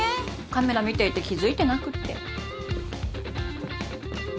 カメラ見ていて気付いてなくって。